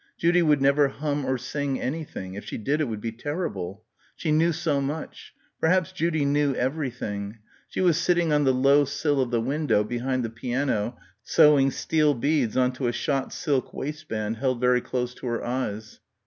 Judy would never hum or sing anything. If she did, it would be terrible. She knew so much. Perhaps Judy knew everything. She was sitting on the low sill of the window behind the piano sewing steel beads on to a shot silk waistband held very close to her eyes.